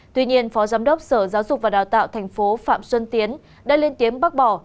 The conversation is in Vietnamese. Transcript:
tuy nhiên phó giám đốc sở giáo dục và đào tạo thành phố phạm xuân tiến đã lên tiếng bác bỏ